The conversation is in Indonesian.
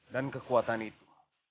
dan kekuatan itu